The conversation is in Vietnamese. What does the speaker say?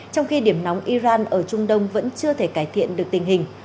trong khi điểm nóng iran ở trung đông vẫn chưa thể cải thiện được tình hình